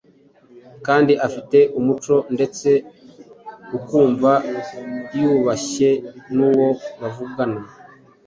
kandi afite umuco ndetse ukumva yubashye n’uwo bavugana.